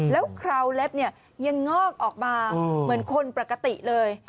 แล้วคราวเล็บเนี่ยยังงอกออกมาเหมือนคนปกติเลย